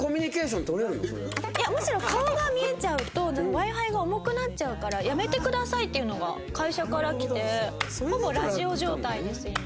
いやむしろ顔が見えちゃうとＷｉ−Ｆｉが重くなっちゃうからやめてくださいっていうのが会社からきてほぼラジオ状態です今。